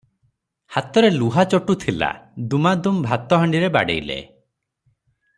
ହାତରେ ଲୁହା ଚଟୁ ଥିଲା, ଦୁମାଦୁମ୍ ଭାତ ହାଣ୍ଡିରେ ବାଡ଼େଇଲେ ।